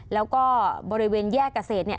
แล้วก็บริเวณแยกเกษตรเนี่ย